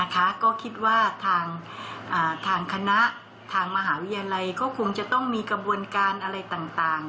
ก็คิดว่าทางคณะทางมหาวิทยาลัยก็คงจะต้องมีกระบวนการอะไรต่าง